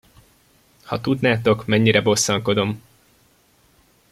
Ha tudnátok, mennyire bosszankodom!